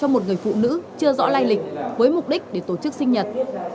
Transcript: cho một người phụ nữ chưa rõ lai lịch với mục đích để tổ chức sinh nhật